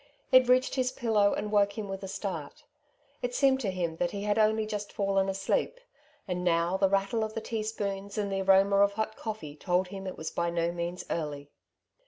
It reached his pillow, and woke him with a start. It seemed to him that he had only just fallen asleep ; and now the rattle of the tea spoons, and the aroma of hot coffee, told him it was by no means early.